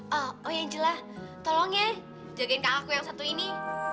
hah oh oh ya angela tolong ya jagain kakakku yang satu ini